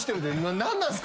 「何なんすか